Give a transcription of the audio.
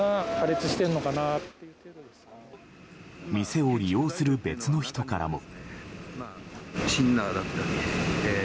店を利用する別の人からも。